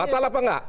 batal apa enggak